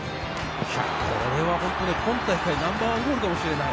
これは今大会ナンバーワンゴールかもしれない。